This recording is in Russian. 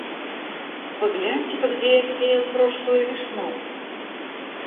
Вы гляньте-ка, где я сеял прошлую весну.